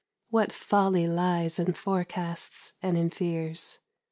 What folly lies in forecasts and in fears!